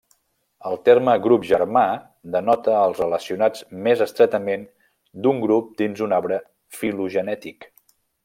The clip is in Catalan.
El terme grup germà denota els relacionats més estretament d’un grup dins un arbre filogenètic.